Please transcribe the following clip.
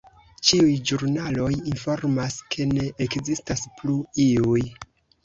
Ĉiuj ĵurnaloj informas, ke ne ekzistas plu iuj!